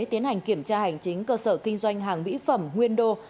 tiến hành kiểm tra hành chính cơ sở kinh doanh hàng mỹ phẩm nguyên đô